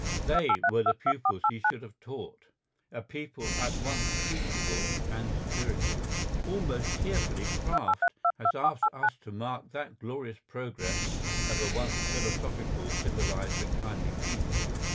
They were the pupils he should have taught. A people at once teachable and spirited. Almost tearfully Kraft has asked us to mark that glorious progress of a once philosophical, civilised, and kindly people.